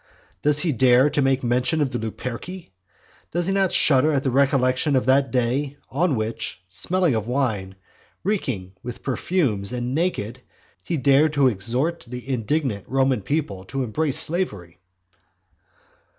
Does he dare to make mention of the Luperci? Does he not shudder at the recollection of that day on which, smelling of wine, reeking with perfumes, and naked, he dared to exhort the indignant Roman people to embrace slavery?